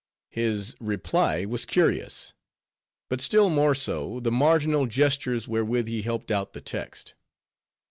His reply was curious. But still more so, the marginal gestures wherewith he helped out the text.